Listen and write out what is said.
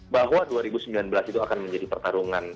bahwa dua ribu sembilan belas itu akan menjadi pertarungan